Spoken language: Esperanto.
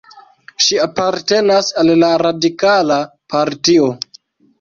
Ŝi apartenas al la radikala partio.